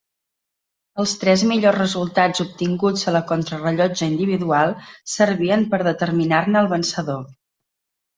Els tres millors resultats obtinguts a la contrarellotge individual serviren per determinar-ne el vencedor.